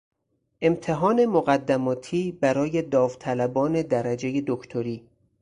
امتحان مقدماتی برای داوطلبان درجهی دکتری